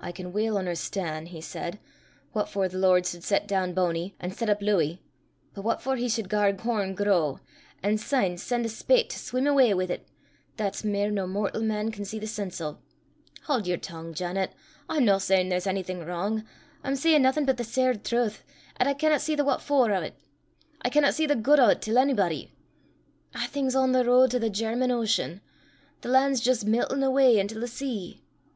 "I can weel un'erstan'," he said, "what for the Lord sud set doon Bony an' set up Louy, but what for he sud gar corn grow, an' syne sen' a spate to sweem awa wi' 't, that's mair nor mortal man can see the sense o'. Haud yer tongue, Janet. I'm no sayin' there's onything wrang; I'm sayin' naething but the sair trowth, 'at I canna see the what for o' 't. I canna see the guid o' 't till onybody. A'thing's on the ro'd to the German Ocean. The lan' 's jist miltin' awa intil the sea!"